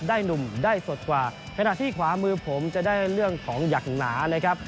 หนุ่มได้สดกว่าขณะที่ขวามือผมจะได้เรื่องของหยักหนานะครับ